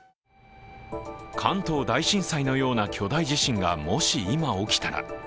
関東大震災のような巨大地震が今、もし起きたら。